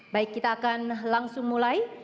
baik kita akan langsung mulai